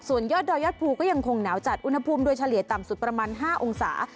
ส่วนยอดดอยยอดภูก็ยังคงหนาวจัดอุณหภูมิโดยเฉลี่ยต่ำสุดประมาณ๕องศา